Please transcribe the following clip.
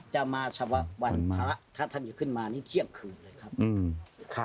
จะมาเฉพาะวันพระถ้าท่านจะขึ้นมานี่เที่ยงคืนเลยครับ